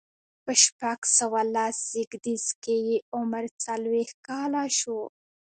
په شپږ سوه لس زيږديز کې یې عمر څلوېښت کاله شو.